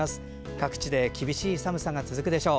各地で厳しい寒さが続くでしょう。